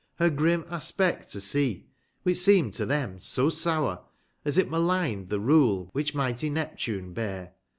295 Her grim aspect to see, which seem'd to them so sour. As it malign'd the rule which mighty Neptune bare.